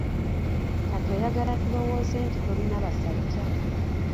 Kati oyagala tulowooze nti tolina basajja?